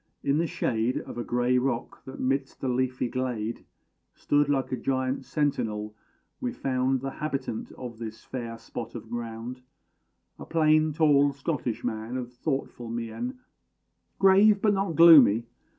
In the shade Of a grey rock, that 'midst the leafy glade Stood like a giant sentinel, we found The habitant of this fair spot of ground A plain tall Scottish man, of thoughtful mien; Grave but not gloomy.